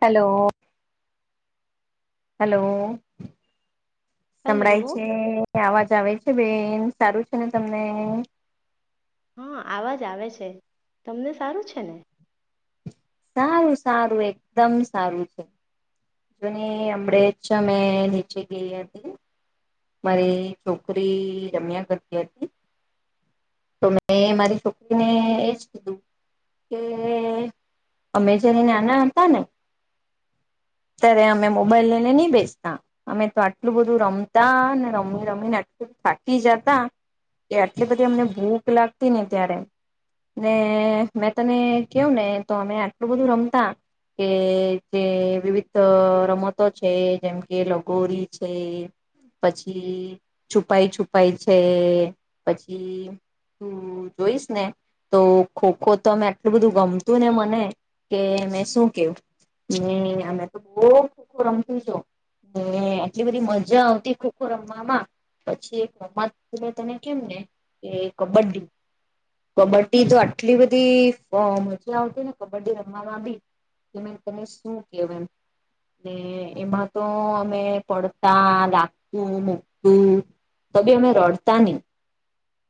Hello. Hello. Hello સંભળાય છે? આવાજ આવે છે? બેન સારું છે ને તમને. હા, આવાજ આવે છે. તમને સારું છે ને? સારું, સારું એકદમ સારું છે. જોને હમણે છે મેં નીચે ગઈ હતી. મારી છોકરી રમ્યા કરતી હતી. તો મેં મારી છોકરીને એજ કીધું કે અમે જ્યારે નાના હતા ને ત્યારે અમે મોબાઈલ લઈને નહી બેસતા અમે તો આટલું બધું રમતા ને રમી રમીને આટલું થાકી જતા કે આટલી બધી અમને ભૂખ લાગતી ને ત્યારે ને મેં તને કવું ને તો અમે આટલું બધું રમતા કે જે વિવિધ રમતો છે જેમ કે લગોરી છે પછી છુપાઈ છુપાઈ છે પછી તું જોઈસ ને તો ખોખો તો અમે આટલું બધું ગમતું ને મને કે મેં શું કેવું ને એમ. બહુ ખો ખો રમત હતો ને આટલી બધી મજા આવતી ખોખો રમવામાં પછી એક રમતલે તને કેમ ને કે કબડ્ડી. કબડ્ડી તો આટલી બધી મજા આવતી ને કબડ્ડી રમવામાં ભી કે મે તને શું કેવા એમ. ને એમાં તો અમે પડતા, લાગતું, મૂકતું તો ભી અમે રડતા નહી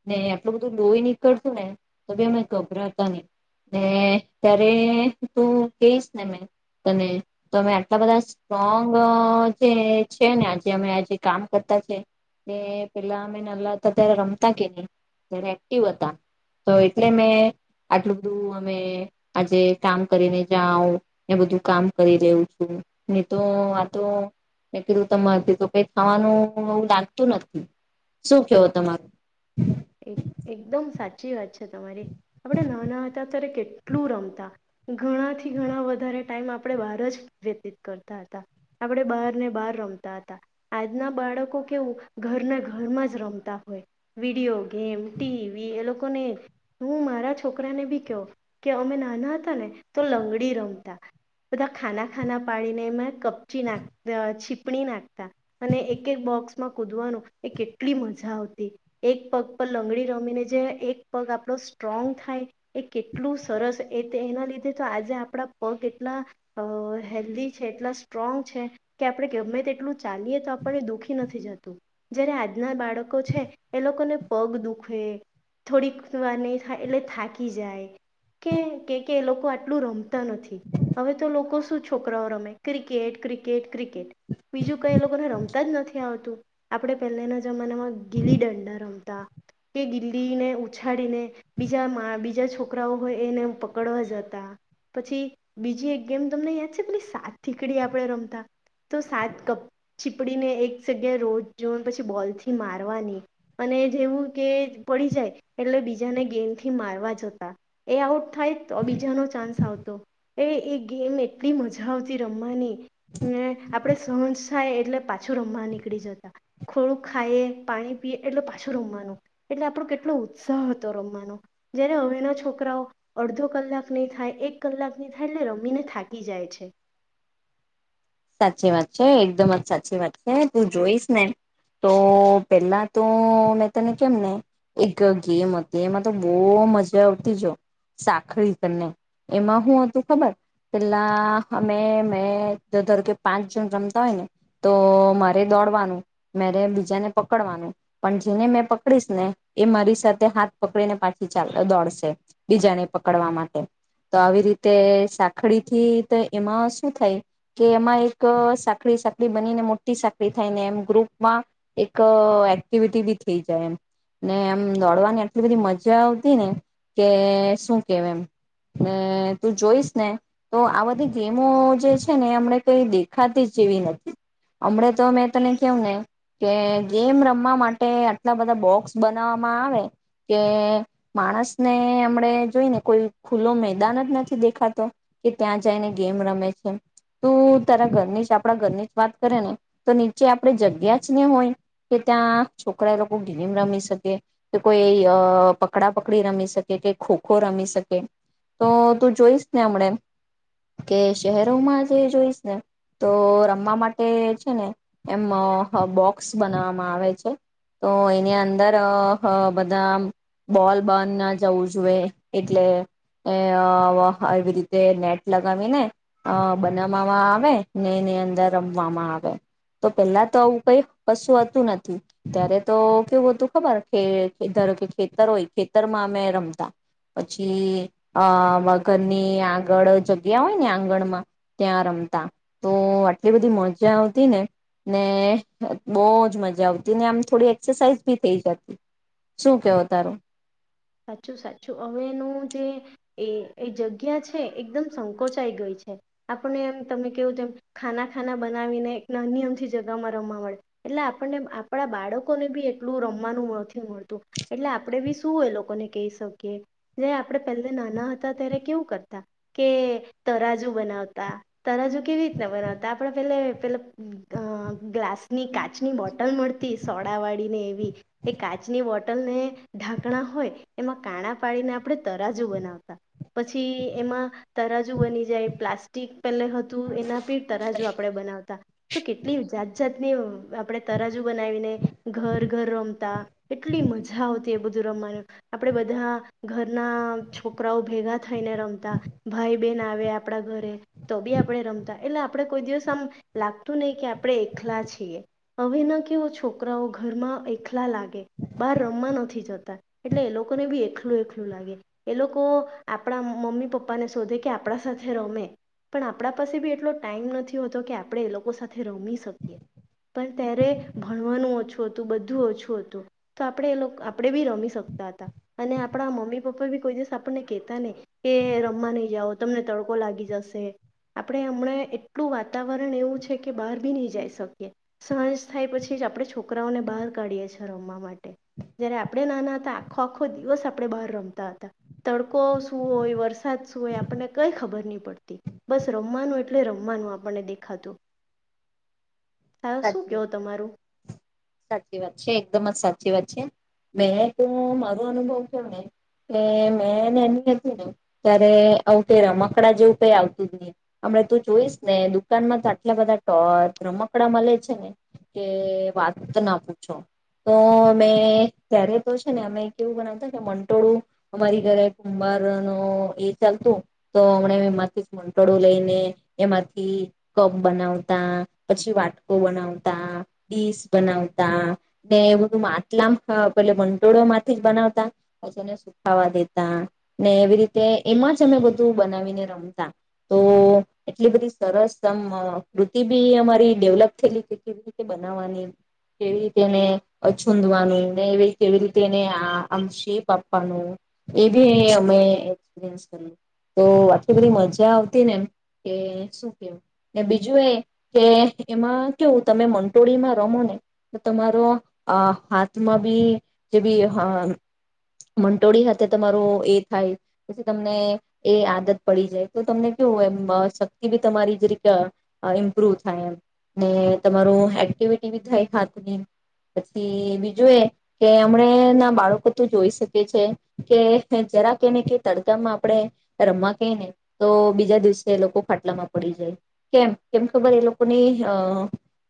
ને આટલું બધું લોહી નીકળતું ને તો ભી અમે ગભરાતા નહી ને ત્યારે તું કહીશ ને મે તને. તો અમે આટલા બધા સ્ટ્રોંગ જે છે ને આજે અમે આ જે કામ કરતા છે એ પેલા અમે નલાતા ત્યારે રમતા કે નહી ત્યારે એક્ટિવ હતા તો એટલે મે આટલું બધું અમે આજે કામ કરીને જાઓ એ બધું કામ કરી રહવું છું. એ તો આ તો મે કીધું તમારાથી તો કઈ થવાનું એવું લાગતું નથી. શું કેવો તમારું? એક એકદમ સાચી વાત છે તમારી. આપણે નાના હતા ત્યારે કેટલું રમતા. ઘણાથી ઘણા વધારે ટાઈમ આપણે બહાર જ વ્યતીત કરતા હતા. આપણે બહારને બહાર રમતા હતા આજના બાળકો કેવું ઘરના ઘરમાં જ રમતા હોય. વિડીયો ગેમ, ટીવી એ લોકોને હું મારા છોકરાને ભી કહ કે અમે નાના હતા ને તો લંગડી રમતા બધા ખાના ખાના પાડીને એમાં કપચી નાખ છીપણી નાખતા. અને એક એક બોક્સમાં કૂદવાનું એ કેટલી મજા આવતી. એક પગ પર લંગડી રમીને જે એક પગ આપણો સ્ટ્રોંગ થાય. એ કેટલું સરસ એ એના લીધે તો આજે આપણા પગ એટલા હેલ્ધી છે, એટલા સ્ટ્રોંગ છે કે આપણે ગમે તે એટલું ચાલીએ તો આપણને દુઃખી નથી જતું જ્યારે આજ ના બાળકો છે એ લોકોને પગ દુખે. થોડીક વાર નહીં થાય એટલે થાકી જાય કે કે કે એ લોકો આટલું રમતા નથી. હવે તો લોકો શું છોકરાઓ રમે ક્રિકેટ, ક્રિકેટ, ક્રિકેટ. બીજું કઈ એ લોકોને રમતા જ નથી આવડતું. આપણે પહેલાના જમાનામાં ગીલી દંડા રમ તા કે ગીલીને ઉછાડીને બીજા મા બીજા છોકરાઓ હોય એને પકડવા જતા, પછી બીજી એક ગેમ તમને યાદ છે પેલી સાત થીકડી આપણે રમતા, તો સાત કપ છીપડીને એક જગ્યાએ રોડ જોન પછી બોલ થી મારવાની, અને એ વું કે પડી જાય એટલે બીજાને ગેમ થી મારવા જતા, એ આઉટ થાય તો બીજાનો ચાન્સ આવતો. એ-એ ગેમ એટલી મજા આવતી રમવાની, ને આપણેે સહંજ થાય એટલે પાછું રમવા નીકળી જતા, થોડુંક ખાઈએ, પાણી પીએ [unintelligible] છું રમવાનું, એટલે આપણો કેટલો ઉત્સાહ હતો રમવાનો, જયારે હવેના છોકરાઓ અડધો કલાક નહી થાય, એક કલાક નહી થાય એટલે રમીને થાકી જાય. છે. સાચી વાત છે. એકદમ જ સાચી વાત છે. તું જોઈશ ને તો પેલા તો મેં તને કેમ ને એક ગેમ હતી એમાં તો બહુ મજા આવતી જો, સાખડી કરીને. એમાં હું હતું ખબર પેલા અમે મે ધરધર કે પાંચ જણ રમતા હોય ને, તો મારે દોડવાનું, મેરે એમ બીજાને પકડવાનું, પણ જેને મેં પકડીશ ને એ મારી સાથે હાથ પકડીને પાછી ચાલ દોડશે બીજાને પકડવા માટે. તો આવી રીતે સાખડી થી તો એમાં શું થાય કે એમાં એક સાંકળી-સાંકળી બનીને મોટી સાંકળી થાય, ને એમ ગ્રુપમાં એક એક્ટિવિટી બી થઈ જાય એમ, ને એમ દોડવાની આટલી બધી મજા આવતી ને કે શું કેવ એમ. ને તું જોઈશ ને તો આ બધી ગેમો જે છે ને હમણે કઈ દેખાતી જેવી નથી. હમણે તો મેં તને કેવું ને કે ગેમ રમવા માટે આટલા બધા બોક્સ બનાવવામાં આવે, કે માણસને હમણે જોઈ ને કોઈ ખુલ્લો મેદાન જ નથી દેખાતો, કે ત્યાં જઈને ગેમ રમે છે એમ. તું તારા ઘરની જ આપડા ઘરની જ વાત કરે ને તો નીચે આપણે જગ્યા જ ન હોય, કે ત્યાં છોકરા એ લોકો ગેમ રમી શકે, કે કોઈ અહ પકડા પકડી રમી શકે, કે ખો ખો રમી શકે. તો તું જોઈશ ને હમણે કે શહેર [unintelligible] માં જે જોઈશ ને, તો રમવા માટે છે ને એમ બોક્સ બનાવવામાં આવે છે, તો એની અંદર અહ હ બધા બોલ બર ના જવું જોએ એટલે અહ વ એવી રીતે નેટ લગાવી ને અહ બનાવવામાં આવે ને એની અંદર રમવામાં આવે. તો પેલા તો આવું કઈ કશું હતું નથી, ત્યારે તો કેવું હતું ખબર કે ધારો કે ખેતર હોય ખેતરમાં અમે રમતા, પછી અહ વ ઘરની આગળ જગ્યા હોય ને આં ગડમાં ત્યાં રમતા તો આટલી બધી મજા આવતી ને, ને બહુ જ મજા આવતી, ને આમ થોડી એક્સરસાઝ બી થઈ જતી. શું કેવ તારું? સાચું-સાચું. હવે એનું જે એ-એ જગ્યા છે એકદમ સંકોચાઈ ગઈ છે. આપને એમ તમે કેવું જેમ ખાના-ખાના બનાવીને એક નાની અમથી જગામાં રમવા મળે એટલે આપણને આપણા બાળકોને બી એટલું રમવાનું નથી મળતું, એટલે આપણે બી શું એ લોક લોકોને કહી શકીએ, જે આપણે પહેલે નાના હતા ત્યારે કેવું કરતા, કે તરાજુ બનાવતા, તરાજુ કેવી રીતના બનાવતા, આપણે પેલે પેલે અહ ગ્લાસની કાચની બોટલ મળતી સોડા વાળી ને એવી એ કાચની બોટ ટલ ને ઢાંકણા હોય એમાં કાણા પાડીને આપણે તરાજુ બનાવતા. પછી એમાં તરાજુ બની જાય, પ્લાસ્ટિક પેલે હતું એના પે તરાજુ આપણેે બનાવતા. તો કેટલી જાત-જાત ની વ આપણે તરાજુ બનાવીને ઘર-ઘર રમતા, એટલી મજા આવ તે બધું રમમાનું. આપણે બધા, ઘરના છોકરાઓ ભેગા થઈને રમતા, ભાઈ બહેન આવે આપણા ઘરે, તો બી આપણે રમતા એટલે આપણે કોઈ દિવસ આમ, લાગતું નહી કે આપણે એકલા છીએ. હવે ના કેવો છોકરાઓ ઘરમાં એકલા લાગે બહાર રમવા નથી જતા. એટલે એ લોકોને બી એકલું એકલું લાગે, એ લોકો આપણા મમ્મી પપ્પાને શોધે કે આપણા સાથે રમે, પણ આપણા પાસે બી એટલો ટાઈમ નથી હોતો કે આપણે એ લોકો સાથે રમી શકીએ, પણ ત્યારે ભણવાનું ઓછું હતું બધું ઓછું હતું, તો આપણે એ લોકો આપણે બી રમી શકીએ. આપણા મમ્મી પપ્પા બી કોઈ દિવસ આપણને કેતા નહી, કે રમવા નહી જાઓ. તમને તડકો લાગી જશે, આપણે હમણાં એટલું વાતાવરણ એવું છે કે બહાર ભી નહી જઈ શકીએ, સહજ થાય પછી જ આપણે છોકરાઓને બહાર કાઢીએ છેએ રમવા માટે, જયારે આપણે નાના હતા. ખો આખો દિવસ આપણે બહાર રમતા હતા, તડકો શું હોય વરસાદ શું હોય આપણને કઈ ખબર નહી પડતી, બસ રમવાનું એટલે રમવાનું આપણને દેખાતું. હ શું સાચી કેવો વાત, તમારું સાચી વાત છે એકદમ જ સાચી વાત. મેં ત મારો અનુભવ કેયોને, કે મેંને એની હતી ને, ત્યારે આવું તે રમકડા જેવું કઈ આવતું જ નહી, હમ તું જોઈસ ને દુકાનમાં તો આટલા બધા ટોચ રમક કડા મળે છે ને, કે વાત ના પૂછો, તો અમે ત્યારે તો છે ને અમે કેવું બનાવતા કે મંટોળું, અમારી ઘરે કુંભર ન એ ચાલતું તો હમણા એમાંથી મંટોળું લઈને, એમાંથી કપ બનાવતા. પછી વાટકો બનાવતા, ડીશ બનાવતા, ને એ બધું માટલામ પે મંટોળો માંથી જ બનાવતા, પછી એને સુખાવા દેતા, ને એવી રીતે એમાં જ અમે બધું બનાવીને રમતા, તો એટલી બધી સરસ કૃતિ બી અમા ડેવલપ થવી રીતે બનાવવાની, કેવી રીતેને છૂદવાનું ને કેવી રીતેને આમ શેપ આપવાનું, એ બી અમે એકપીરિયસ તો આટલી બધી મજા આવતી ને એમ કે શું કેું બીજું એ કે એમાં કેવું તમે મંટોળીમાં રમો ને, તો તમારો હાથમાં બી જે બી મંટોળી હાથે તમારો એ થાય, પછી તમને એ આદત પડી જાય, તો તમને કેવું એમ શક્તિ બી તમારી જે રીતે ઇમ્પ્રુવ થાય એમ. ને તમારું એક્ટિવિટી બી થાય હાથની, પછી બીજું એ કે હમણા ના બાળકો તું જોઈ શકે છે, કે જરા કેને કે તડકામાં આપણે, રમવા ક ને તો બીજા દિવસે લોકો ફાટલામાં પડી જાય, કેમ કેમ ખબર એ લોકો ની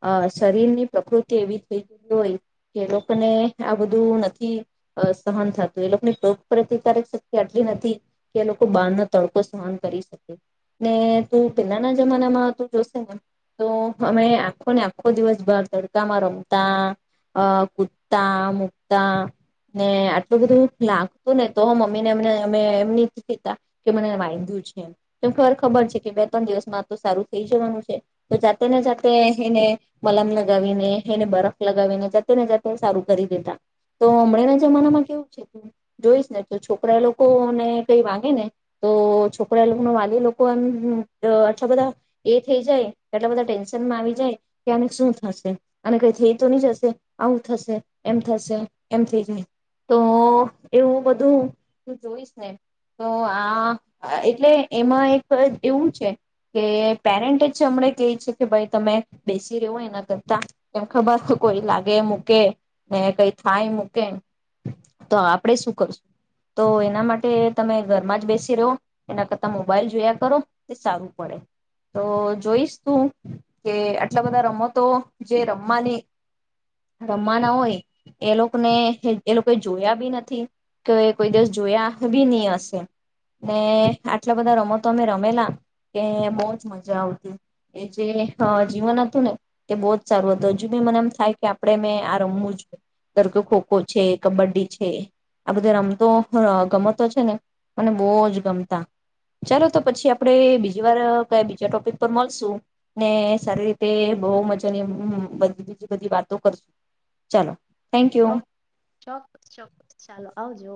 અ શરીરની પ્રકૃતિ એવી થઈ ગ હોય, કે એ લોકોને આ બધું નથી સહન થતું એ લોકોની ટોક પ્રતિકારક શક્તિ આટલી નથી, કે એ લોકો બાર ન તડકો સહન કરી શકે, ને તું પેલાના જમાનામાં તું જોશે ને તો અમે આખો ને આખો દિવસ બહાર તડકામાં રમતા કૂદતા મૂકતા ને આટલું બધું લાગતું ને તો મમ્મી નેને અમે એમ નથી કતા, કે મને વાંધ્યું છે, એમ કે ખર ખબર છે કે બે ત્રણ દિવસ માં તો સારું થઈ જવાનું છે. તો જાતે ને જાતે એને મલમ લગાવીને એને બરફ લગાવીને જાતે ને જાતે સારું કરી દેતા, તો હમણાંના જમાનામાં કેવું છે જોઈશ ને તો છોકરા લોકોને કઈ વાગે ને, તો છોકરા લોકો વાલી લોકો એમ આછા બધા એ થઈ જાય. એટલા બધા ટેન્શનમાં આવી જાય, કે આને શું થશે. અને કઈ થઈ તો નહી જશે આવું થશે એમ થશે એમ થઈ જાય, તો એવું બધું હું જોઈશ ને, તો આ એટલે એમાં એક એવું છે કે પેરેન્ટ જ છે અમણે કે છે કે ભાઈ તમે, બેસી રહો એના કરતા કેમ ખબર કોઈ લાગે મૂકે ને કઈ થાય મૂકે તો આપણેે શું કરશું, તો એના માટે તમે ઘરમાં જ બેસી રહો, એના કરતા મોબાઈલ જોયા કરો તે સારું પડે, તો જોઈશ શું કે આટલા બધા રમતો જે રમવાની રમવાના હોય એ લોકોને એ લોકો જોયા બી નથી, કે કોઈ દિવસ જોયા બી નહી હશે, ને આટલા બધા રમતો અમે રમેલા કે બહુજ મજા આવતી. એ જે જીવન હતું ને એ બહુ જ સારું હતું હજુ બી મને એમ થાય કે આપડણે મેં આ રમવું જો ધ કે ખોખો છે કબડ્ડી છે આ બધે રમતો ગમતો છે ને મને બહુ જ ગમતા ચાલો તો પછી આપડે બીજી વાર ક બીજા ટોપિક પર મળશું. ને સારી રીતે બહ મજા ની બધી બીજી બધી વાતો કરશું, ચાલો. થેન્ક ચ યુ ચોક્કસ ચોક્કસ ચાલો આવજો.